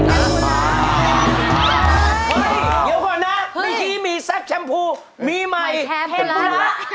เฮ่ยเดี๋ยวก่อนนะไม่ทีมีแซ็คแชมพูมีไมค์แชมพูแล้ว